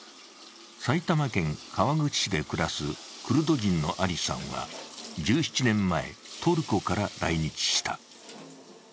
埼玉県川口市で暮らすクルド人のアリさんは１７年前、トルコから来日した。